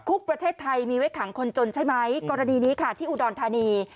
ประเทศไทยมีไว้ขังคนจนใช่ไหมกรณีนี้ค่ะที่อุดรธานี